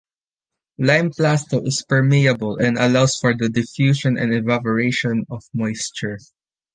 Lime plaster is permeable and allows for the diffusion and evaporation of moisture.